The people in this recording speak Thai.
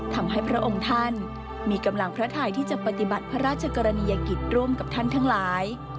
พระองค์ท่านมีกำลังพระทายที่จะปฏิบัติพระราชกรณียกิจร่วมกับท่านทั้งหลาย